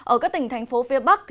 ở các tỉnh thành phố phía bắc